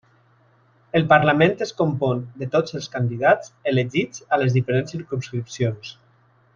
El parlament es compon de tots els candidats elegits a les diferents circumscripcions.